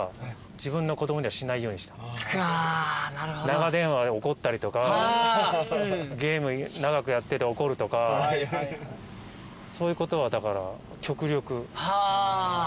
長電話で怒ったりとかゲーム長くやってて怒るとかそういうことは極力しないようにして。